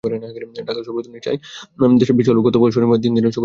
ঢাকা সফররত নিশা দেশাই বিসওয়াল গতকাল শনিবার তিন দিনের সফরে ঢাকা আসেন।